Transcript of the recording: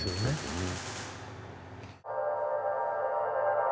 うん。